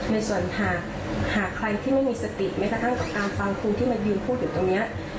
ในส่วนหากใครที่ไม่มีสติแม้กระทั่งฟังครูที่มายืนพูดอยู่ตรงนี้